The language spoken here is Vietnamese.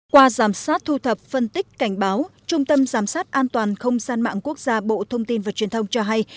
qua giám sát thu thập phân tích cảnh báo trung tâm giám sát an toàn không gian mạng quốc gia bộ thông tin và truyền thông cho hay